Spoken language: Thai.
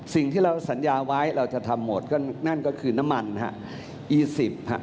สิ่งที่เราสัญญาไว้เราจะทำหมดก็นั่นก็คือน้ำมันฮะ